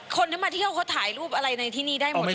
คนที่มาเที่ยวเขาถ่ายรูปอะไรในที่นี่ได้หมด